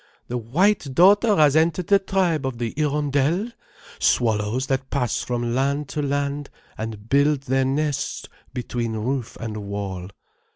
The white daughter has entered the tribe of the Hirondelles, swallows that pass from land to land, and build their nests between roof and wall.